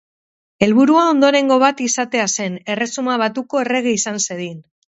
Helburua ondorengo bat izatea zen, Erresuma Batuko errege izan zedin.